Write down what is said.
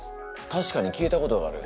たしかに聞いたことがある。